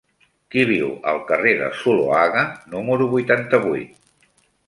Qui viu al carrer de Zuloaga número vuitanta-vuit?